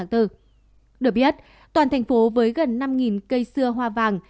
được biết toàn thành phố với gần năm cây xưa hoa vàng